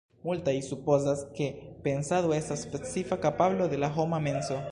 Multaj supozas, ke pensado estas specifa kapablo de la homa menso.